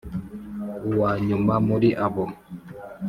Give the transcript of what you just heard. uwa nyuma muri abo